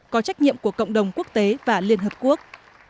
có trách nhiệm của cộng đồng quốc tế và liên hợp quốc